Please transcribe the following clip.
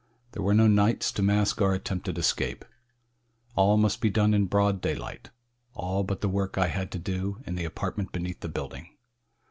There were no nights to mask our attempted escape. All must be done in broad daylight all but the work I had to do in the apartment beneath the building.